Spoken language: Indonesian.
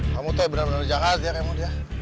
kamu bener bener jahat ya